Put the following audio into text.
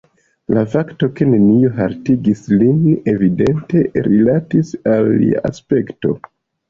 La fakto, ke neniu haltigis lin, evidente rilatis al lia aspekto.